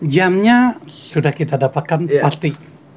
jamnya sudah kita dapatkan pasti